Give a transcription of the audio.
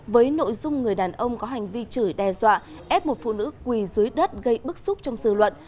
với nội dung người đàn ông có hành vi chửi đe dọa ép một phụ nữ quỳ dưới đất gây bức xúc trong dư luận